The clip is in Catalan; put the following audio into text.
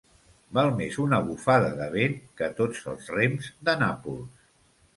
Val més una bufada de vent que tots els rems de Nàpols.